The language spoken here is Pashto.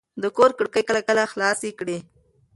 د کور کړکۍ کله کله خلاصې کړئ.